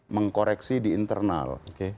mengkoreksi di internal